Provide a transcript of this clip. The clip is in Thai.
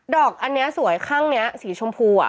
อกอันนี้สวยข้างนี้สีชมพู